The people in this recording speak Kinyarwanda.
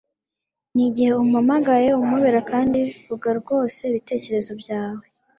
n'igihe umpamagaye, umpobera kandi vuga rwose ibitekerezo byawe